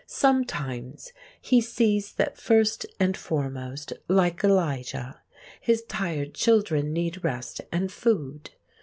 Sometimes He sees that first and foremost, like Elijah, His tired children need rest and food.